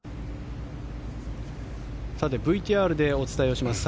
ＶＴＲでお伝えします。